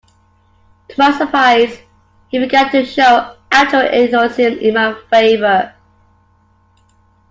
To my surprise he began to show actual enthusiasm in my favor.